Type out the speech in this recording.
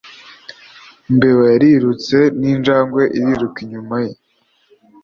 Imbeba yarirutse ninjangwe iriruka inyuma ye